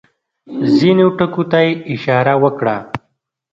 ځینو ټکو ته یې اشاره وکړه.